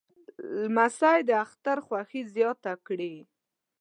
لمسی د اختر خوښي زیاته کړي.